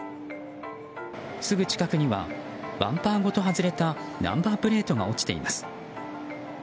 すぐ近くにはバンパーごと外れたナンバープレートが落ちています。